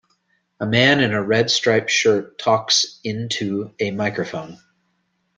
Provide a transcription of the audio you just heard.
A man in a red striped shirt talks in to a microphone.